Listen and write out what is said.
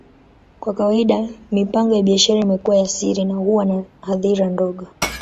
Kwa kawaida, mipango ya biashara imekuwa ya siri na huwa na hadhira ndogo.